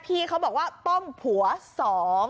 พี่เขาบอกว่าต้องผัวสอง